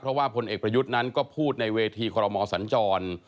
เพราะว่าพลเอกประยุทธ์นั้นก็พูดในเวทีคอรมอสัญจร